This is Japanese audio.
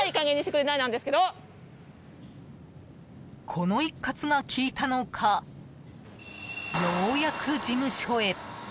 この一喝が効いたのかようやく事務所へ。